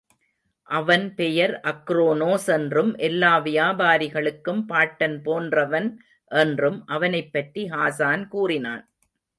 அவன் பெயர் அக்ரோனோஸ் என்றும், எல்லா வியாபாரிகளுக்கும் பாட்டன் போன்றவன் என்றும் அவனைப் பற்றி ஹாஸான் கூறினான்.